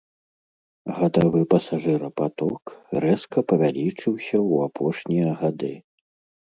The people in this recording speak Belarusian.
Гадавы пасажырапаток рэзка павялічыўся ў апошнія гады.